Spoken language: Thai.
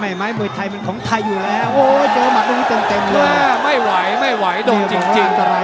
ไม่ไหมยมวยมีของไทยอยู่แหละ